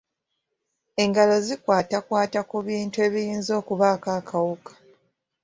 Engalo zikwatakwata ku bintu ebiyinza okubaako akawuka.